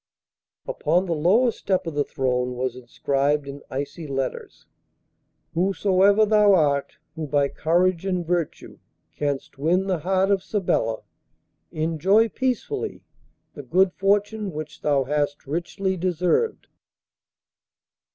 Upon the lowest step of the throne was inscribed in icy letters, 'Whosoever thou art who by courage and virtue canst win the heart of Sabella enjoy peacefully the good fortune which thou hast richly deserved.